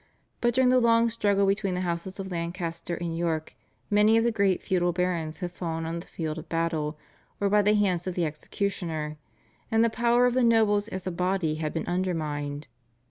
But during the long struggle between the houses of Lancaster and York many of the great feudal barons had fallen on the field of battle or by the hands of the executioner, and the power of the nobles as a body had been undermined.